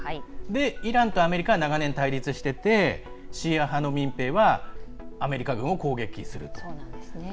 イランとアメリカは長年、対立しててシーア派の民兵はアメリカ軍を攻撃すると。